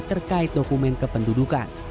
terkait dokumen kependudukan